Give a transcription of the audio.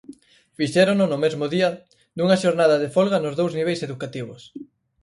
Fixérono no mesmo día dunha xornada de folga nos dous niveis educativos.